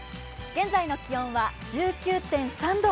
現在の気温は１９．３度。